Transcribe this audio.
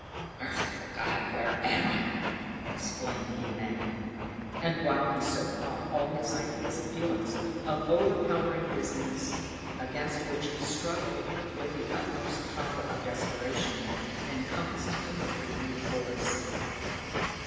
"Merciful God, where am I!" exclaimed he in agony; and while he so thought, all his ideas and feelings of overpowering dizziness, against which he struggled with the utmost power of desperation, encompassed him with renewed force.